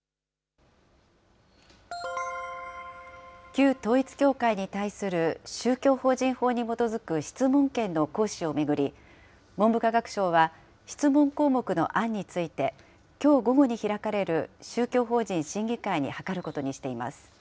旧統一教会に対する宗教法人法に基づく質問権の行使を巡り、文部科学省は、質問項目の案について、きょう午後に開かれる宗教法人審議会に諮ることにしています。